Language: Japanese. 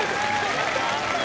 やったー！